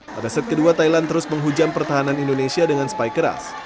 pada set kedua thailand terus menghujam pertahanan indonesia dengan spike keras